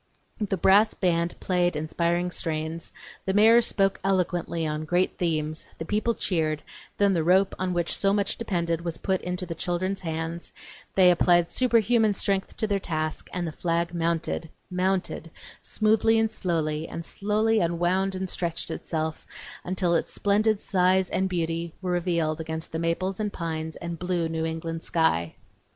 The brass band played inspiring strains; the mayor spoke eloquently on great themes; the people cheered; then the rope on which so much depended was put into the children's hands, they applied superhuman strength to their task, and the flag mounted, mounted, smoothly and slowly, and slowly unwound and stretched itself until its splendid size and beauty were revealed against the maples and pines and blue New England sky.